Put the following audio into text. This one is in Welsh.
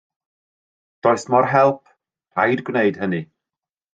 Does mo'r help, rhaid gwneud hynny.